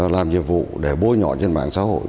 làm nhiệm vụ để bôi nhọ trên mạng xã hội